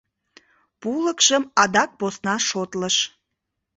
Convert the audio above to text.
Пулыкшым адак посна шотлыш.